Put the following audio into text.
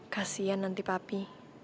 kasian nanti papi